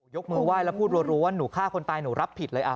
ยกมือไหว้แล้วพูดรัวว่าหนูฆ่าคนตายหนูรับผิดเลย